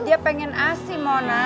dia pengen asih mona